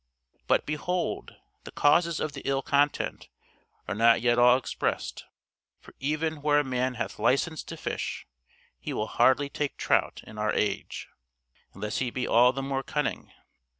But, behold, the causes of the ill content are not yet all expressed, for even where a man hath licence to fish, he will hardly take trout in our age, unless he be all the more cunning.